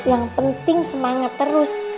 yang penting semangat terus